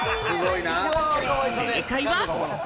正解は。